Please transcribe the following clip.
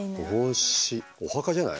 お墓じゃない？